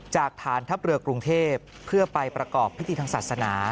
จากฐานทัพเรือกรุงเทพเพื่อไปประกอบพิธีทางศาสนา